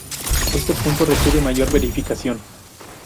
Este punto requiere mayor verificación.